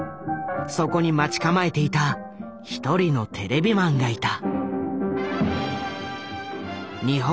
そこに待ち構えていた１人のテレビマンがいた。